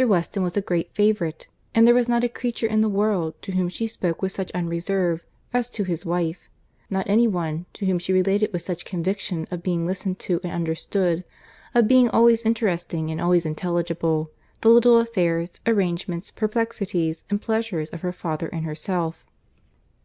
Weston was a great favourite, and there was not a creature in the world to whom she spoke with such unreserve, as to his wife; not any one, to whom she related with such conviction of being listened to and understood, of being always interesting and always intelligible, the little affairs, arrangements, perplexities, and pleasures of her father and herself.